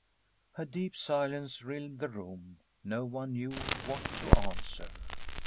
A deep silence rilled the room, no one knew what to answer.